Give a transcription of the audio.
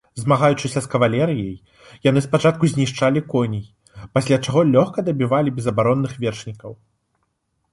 Змагаючыся з кавалерыяй, яны спачатку знішчалі коней, пасля чаго лёгка дабівалі безабаронных вершнікаў.